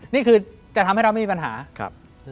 นี่คือจะทำให้เราไม่มีปัญหา